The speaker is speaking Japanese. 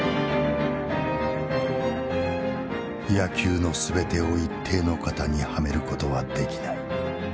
「野球の総てを一定の型にはめる事は出来ない」。